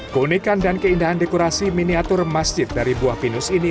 keunikan dan keindahan dekorasi miniatur masjid dari buah pinus ini